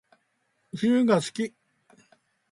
冬が好き